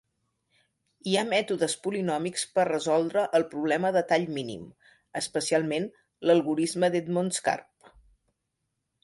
Hi ha mètodes polinòmics per resoldre el problema de tall mínim, especialment l'algorisme d'Edmonds-Karp.